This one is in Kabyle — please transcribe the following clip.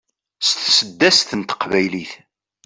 s tseddast n teqbaylit